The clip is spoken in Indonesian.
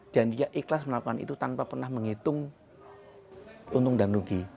dan dia ikhlas melakukan itu tanpa pernah menghitung untung dan rugi